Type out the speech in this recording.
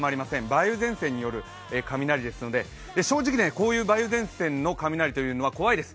梅雨前線による雷ですので正直、こういう梅雨前線の雷というのは怖いです。